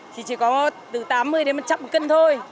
thì chỉ có từ tám mươi đến một trăm một cân thôi